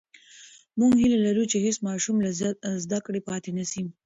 موږ هیله لرو چې هېڅ ماشوم له زده کړې پاتې نسي.